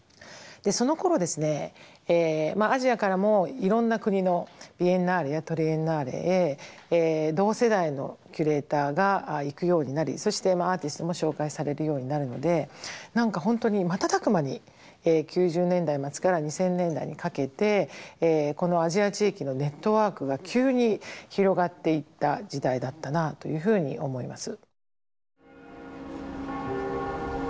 そのころですねアジアからもいろんな国のビエンナーレやトリエンナーレへ同世代のキュレーターが行くようになりそしてアーティストも紹介されるようになるので何か本当に瞬く間に９０年代末から２０００年代にかけてこのアジア地域のネットワークが急に広がっていった時代だったなというふうに思います。